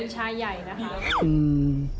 ใช่ค่ะ